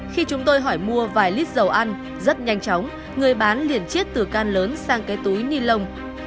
khi chúng tôi hỏi mua vài lít dầu ăn rất nhanh chóng người bán liền chiết từ can lớn sang cái túi ni lông